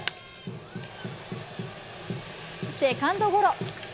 セカンドゴロ。